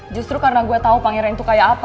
justru karena gue tahu pangeran itu kayak apa